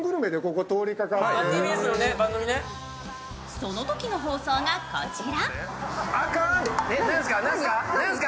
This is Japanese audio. そのときの放送がこちら。